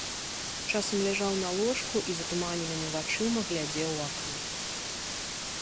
Часам ляжаў на ложку і затуманенымі вачыма глядзеў у акно.